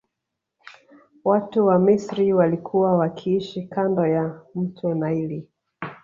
Watu wa misri walikua wakiishi kando ya mto naili